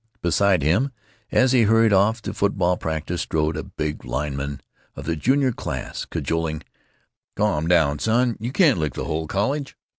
Beside him, as he hurried off to football practice, strode a big lineman of the junior class, cajoling: "Calm down, son. You can't lick the whole college."